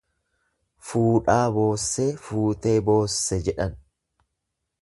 Fuudhaa boossee fuutee boosse jedhan.